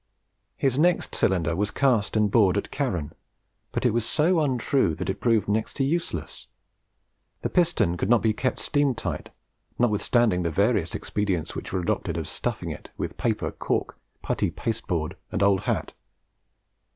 His next cylinder was cast and bored at Carron, but it was so untrue that it proved next to useless. The piston could not be kept steam tight, notwithstanding the various expedients which were adopted of stuffing it with paper, cork, putty, pasteboard, and old hat.